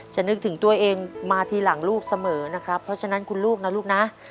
นึกถึงตัวเองมาทีหลังลูกเสมอนะครับเพราะฉะนั้นคุณลูกนะลูกนะ